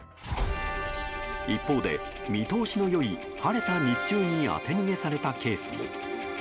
一方で、見通しの良い晴れた日中に当て逃げされたケースも。